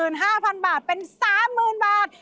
จาก๑๕๐๐๐บาทเป็น๓๐๐๐๐บาท